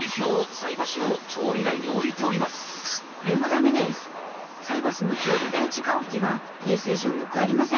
菜箸の調理台じか置きは衛生上よくありません。